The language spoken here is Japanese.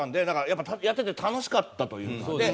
だからやってて楽しかったというか。